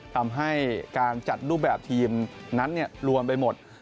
ทำให้การจัดรูปแบบทีมนั้นรวมไปหมด